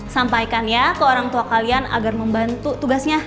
sampaikan ya ke orang tua kalian agar membantu tugasnya